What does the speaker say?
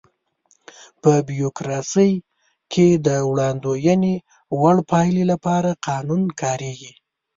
په بیوروکراسي کې د وړاندوينې وړ پایلې لپاره قانون کاریږي.